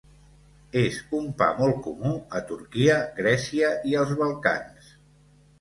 És un pa molt comú a Turquia, Grècia i als Balcans.